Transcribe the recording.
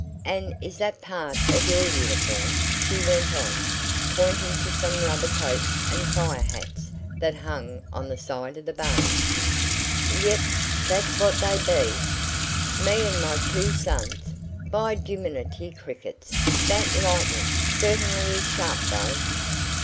"And is that part of your uniform?" she went on, pointing to some rubber coats and fire hats that hung on the side of the barn. "Yep, that's what they be. Me an' my two sons. By jimminity crickets! that lightnin' certainly is sharp, though!"